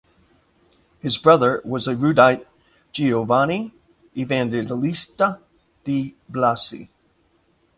His brother was the erudite Giovanni Evangelista di Blasi.